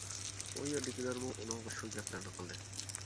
ئۇ يەردىكىلەرمۇ ئۇنىڭغا شۇ گەپلەرنى قىلدى.